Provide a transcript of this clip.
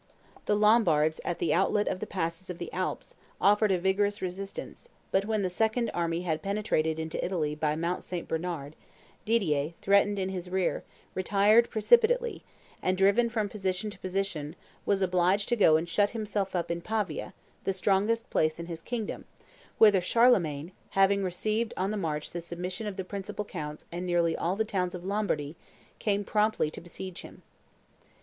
The Lombards, at the outlet of the passes of the Alps, offered a vigorous resistance; but when the second army had penetrated into Italy by Mount St. Bernard, Didier, threatened in his rear, retired precipitately, and, driven from position to position, was obliged to go and shut himself up in Pavia, the strongest place in his kingdom, whither Charlemagne, having received on the march the submission of the principal counts and nearly all the towns of Lombardy, came promptly to besiege him.